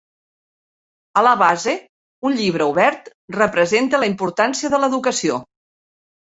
A la base, un llibre obert representa la importància de l'educació.